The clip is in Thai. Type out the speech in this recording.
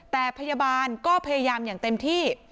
แต่พยาบาลก็พยายามอย่างเต็มที่